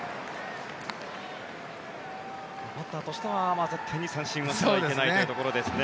バッターとしては絶対に三振は取りたくないというところですね。